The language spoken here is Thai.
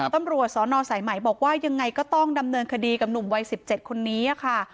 ตำรวจสนสายไหมบอกว่ายังไงก็ต้องดำเนินคดีกับหนุ่มวัย๑๗คนนี้ค่ะ